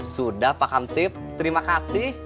sudah pak kamtip terima kasih